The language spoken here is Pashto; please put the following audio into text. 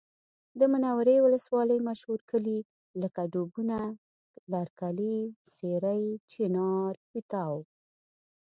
د منورې ولسوالۍ مشهور کلي لکه ډوبونه، لرکلی، سېرۍ، چینار، پیتاو